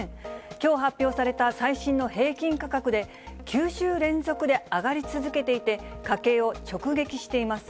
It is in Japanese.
きょう発表された最新の平均価格で、９週連続で上がり続けていて、家計を直撃しています。